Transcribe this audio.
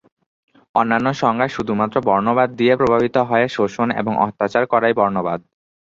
অন্যান্য সংজ্ঞায় শুধুমাত্র বর্ণবাদ দিয়ে প্রভাবিত হয়ে শোষণ এবং অত্যাচার করাই বর্ণবাদ।